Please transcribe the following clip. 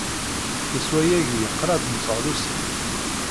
Teswa yagi kraḍt n teɣlusin.